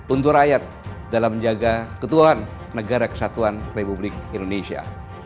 untuk rakyat dalam menjaga ketuaan negara kesatuan republik indonesia